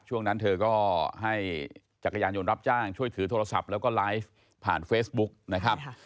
ช่วงนั้นเธอก็ให้จักรยานยนต์รับจ้างช่วยถือโทรศัพท์แล้วก็ไลฟ์ผ่านเฟซบุ๊กนะครับ